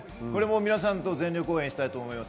皆さんと全力応援したいと思います。